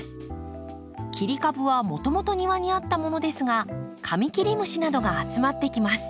切り株はもともと庭にあったものですがカミキリムシなどが集まってきます。